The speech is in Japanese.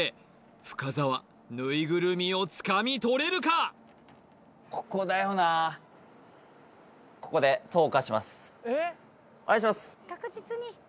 深澤ぬいぐるみをつかみとれるかお願いします